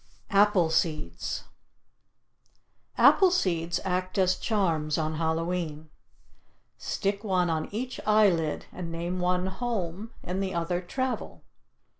APPLE SEEDS Apple seeds act as charms on Hallowe'en. Stick one on each eyelid and name one "Home" and the other "Travel."